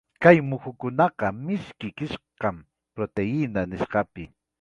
Kay muhukunaqa miski kiskim proteína nisqapi.